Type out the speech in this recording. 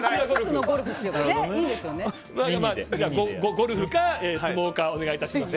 ゴルフか相撲かお願いします。